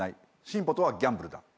進歩とはギャンブルだ。